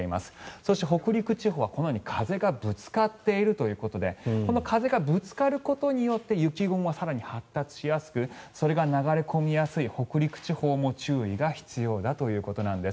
そして、北陸地方はこのように風がぶつかっているということでこの風がぶつかることによって雪雲が更に発達しやすくそれが流れ込みやすい北陸地方も注意が必要だということなんです。